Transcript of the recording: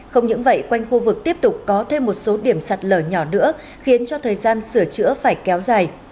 không những vậy quanh khu vực tiếp tục có thêm một số điểm sạt lở nhỏ nữa khiến cho thời gian sửa chữa phải kéo dài